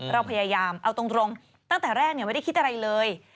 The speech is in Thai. เราพยายามเอาตรงตั้งแต่แรกไม่ได้คิดอะไรเลย